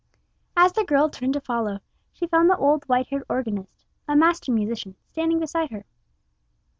As the girl turned to follow, she found the old white haired organist, a master musician, standing beside her.